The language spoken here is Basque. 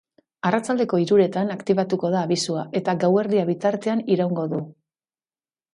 Arratsaldeko hiruetan aktibatuko da abisua, eta gauerdia bitartean iraungo du.